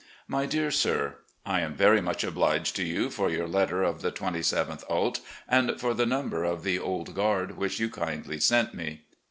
" My Dear Sir: I am very much obliged to you for your letter of the 27th ult., and for the number of the 'Old Guard' which you kindly sent me.